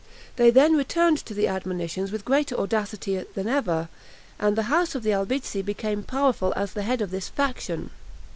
They then returned to the ADMONITIONS with greater audacity than ever, and the house of the Albizzi became powerful as the head of this faction.